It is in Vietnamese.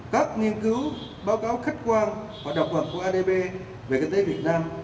các nghiên cứu báo cáo khách quan và đọc vật của adb về kinh tế việt nam